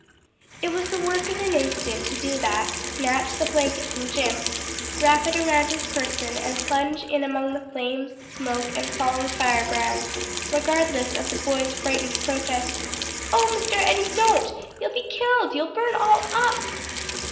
It was the work of an instant to do that, snatch the blanket from Jim, wrap it around his person, and plunge in among the flames, smoke, and falling firebrands, regardless of the boy's frightened protest, "Oh, Mr. Eddie don't; you'll be killed! you'll burn all up!"